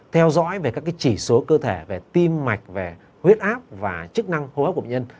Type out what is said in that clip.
theo dõi về các chỉ số cơ thể về tim mạch về huyết áp và chức năng hô hấp của bệnh nhân